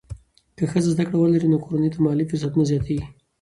که ښځه زده کړه ولري، نو کورنۍ ته مالي فرصتونه زیاتېږي.